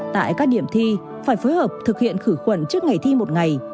tại các điểm thi phải phối hợp thực hiện khử khuẩn trước ngày thi một ngày